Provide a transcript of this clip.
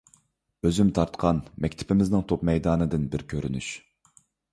ئۆزۈم تارتقان مەكتىپىمىزنىڭ توپ مەيدانىدىن بىر كۆرۈنۈش.